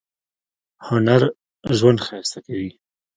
هنر ژوند ښایسته کوي